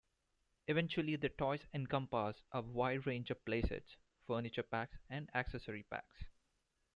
Eventually, the toys encompassed a wide range of playsets, furniture packs, and accessory packs.